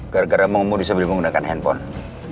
gara gara mau ngumur di sebelah menggunakan handphone